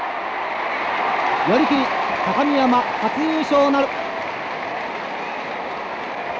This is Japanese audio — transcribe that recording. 寄り切り、高見山初優勝なる。